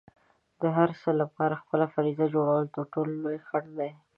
د هر څه لپاره خپله فرضیه جوړول تر ټولو لوی خنډ دی.